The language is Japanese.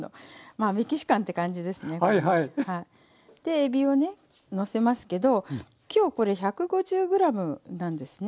えびをねのせますけどきょうこれ１５０ｇなんですね。